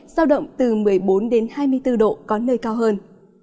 giao động từ một mươi bốn đến hai mươi bốn độ có nơi cao hơn